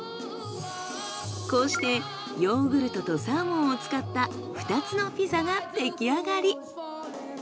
こうしてヨーグルトとサーモンを使った２つのピザが出来上がり。